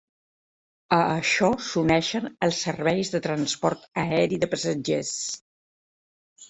A això s'uneixen els serveis de transport aeri de passatgers.